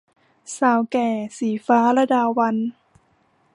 สาวแก่ - ศรีฟ้า ลดาวัลย์